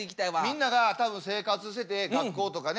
みんなが多分生活してて学校とかね